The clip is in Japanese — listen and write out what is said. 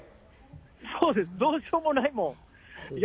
そうです、どうしようもないもん。